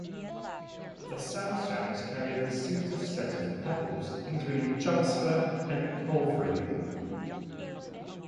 The sandstones carry a distinctive set of pebbles, including jasper and porphyry.